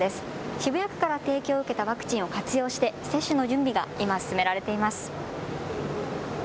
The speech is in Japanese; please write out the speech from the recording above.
渋谷区から提供を受けたワクチンを活用して接種の準備が今、進められています。